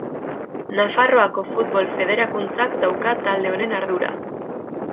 Nafarroako Futbol Federakuntzak dauka talde honen ardura.